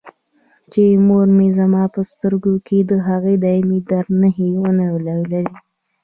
چې مور مې زما په سترګو کې د هغه دایمي درد نښې ونه لولي.